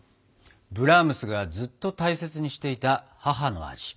ブラームスがずっと大切にしていた母の味。